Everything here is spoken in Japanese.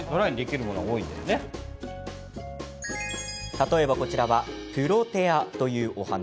例えば、こちらはプロテアというお花。